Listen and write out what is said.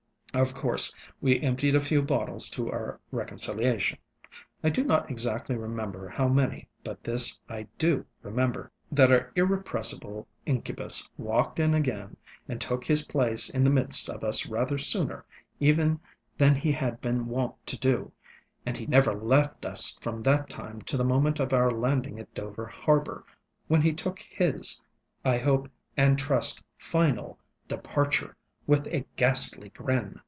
Of course we emptied a few bottles to our reconciliation. I do not exactly remember how many, but this I do remember, that our irrepressible incubus walked in again, and took his place in the midst of us rather sooner even than he had been wont to do; and he never left us from that time to the moment of our landing at Dover harbor, when he took his, I hope and trust final, departure with a ghastly grin.